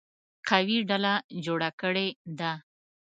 قوي ډله جوړه کړې ده.